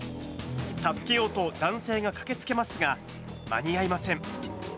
助けようと男性が駆けつけますが、間に合いません。